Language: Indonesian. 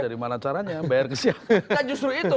dari mana caranya bayar ke siapa